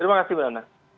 terima kasih bu